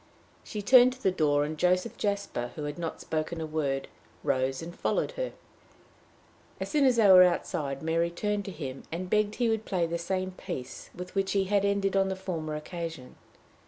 She turned to the door, and Joseph Jasper, who had not spoken a word, rose and followed her. As soon as they were outside, Mary turned to him, and begged he would play the same piece with which he had ended on the former occasion.